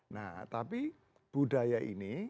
nah tapi budaya ini